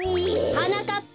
はなかっぱ。